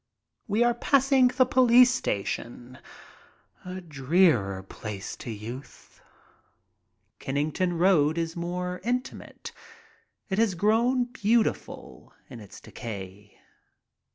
We are passing the police station. A drear place to youth. Kennington Road is more intimate. It has grown beautiful in its decay.